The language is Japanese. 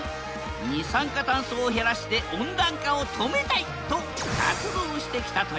二酸化酸素を減らして温暖化を止めたいと活動してきたという。